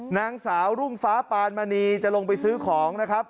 นางสาวรุ่งฟ้าปานมณีจะลงไปซื้อของนะครับ